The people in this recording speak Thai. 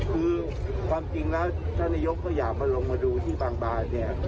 คือความจริงแล้วท่านนายกก็อยากมาลงมาดูที่บางบานเนี่ย